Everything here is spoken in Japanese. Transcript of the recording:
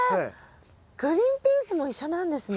グリーンピースも一緒なんですね。